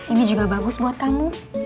ini juga bagus buat kamu